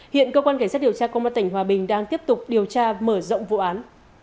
hiện cơ quan cảnh sát điều tra công an tỉnh hòa bình đang tiếp tục điều tra mở rộng vụ án